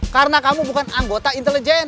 karena kamu bukan anggota intelijen